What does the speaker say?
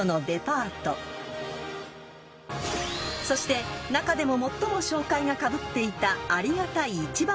［そして中でも最も紹介がかぶっていたありがたい１番かぶり